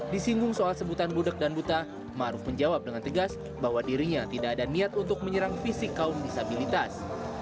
disinggung soal sebutan budeg dan buta maruf menjawab dengan tegas bahwa dirinya tidak ada niat untuk menyerang fisik kaum disabilitas